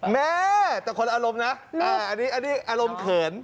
แม่แต่คนอารมณ์นะอันนี้อารมณ์เขิน